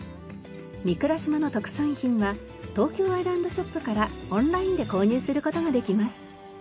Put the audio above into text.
御蔵島の特産品は東京愛らんどショップからオンラインで購入する事ができます。